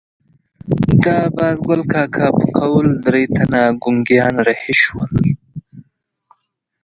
د بازګل کاکا په قول درې تنه ګونګیان رهي شول.